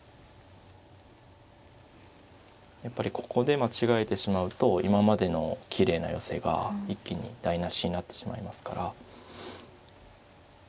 やっぱりここで間違えてしまうと今までのきれいな寄せが一気に台なしになってしまいますから。